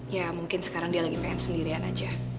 ya mungkin sekarang dia lagi pengen sendirian aja